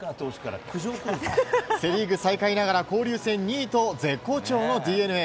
セ・リーグ最下位ながら交流戦２位と絶好調のＤｅＮＡ。